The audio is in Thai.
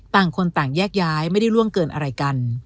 ต่างคนต่างแยกย้ายไม่ได้ล่วงเกินอะไรกัน